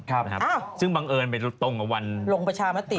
ครับอ้าวซึ่งบังเอิญเป็นตรงกับวันโรงประชามาติ